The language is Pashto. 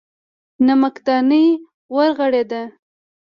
نمکدانۍ ورغړېده.